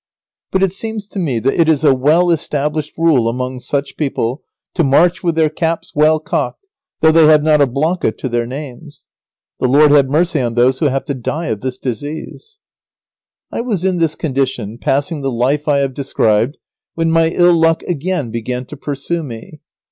But it seems to me that it is a well established rule among such people to march with their caps well cocked, though they have not a blanca to their names. The Lord have mercy on those who have to die of this disease! [Sidenote: Begging prohibited.] I was in this condition, passing the life I have described, when my ill luck again began to pursue me.